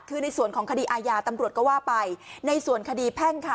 คือในส่วนของคดีอาญาตำรวจก็ว่าไปในส่วนคดีแพ่งค่ะ